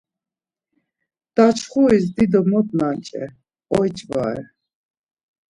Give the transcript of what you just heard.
Daçxuris dido mot nanç̌er, oyiç̌vare.